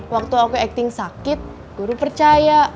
waktu aku acting sakit guru percaya